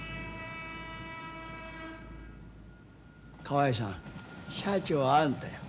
河合さん社長はあんたや。